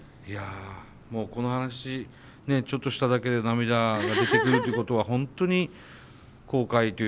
この話ちょっとしただけで涙が出てくるっていうことは本当に後悔というか。